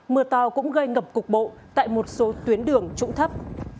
mưa to cũng gây ngập cục bộ tại một số tuyến đường trụng thấp